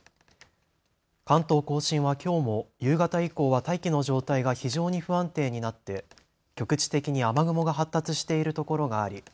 関東甲信はきょうも夕方以降は大気の状態が非常に不安定になって局地的に雨雲が発達しているところがあり